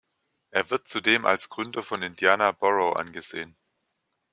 Er wird zudem als Gründer von Indiana Borough angesehen.